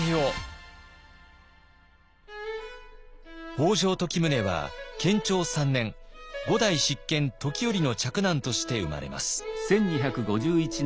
北条時宗は建長３年５代執権時頼の嫡男として生まれます。